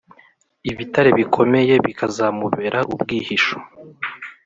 ibitare bikomeye bikazamubera ubwihisho,